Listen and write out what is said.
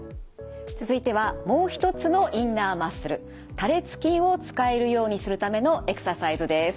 続いてはもう一つのインナーマッスル多裂筋を使えるようにするためのエクササイズです。